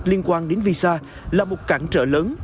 liên quan đến visa là một cản trở lớn